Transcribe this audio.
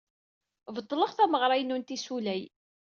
Beṭleɣ tameɣra-inu n tissulya.